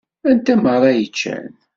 Anta meṛṛa i yeččan?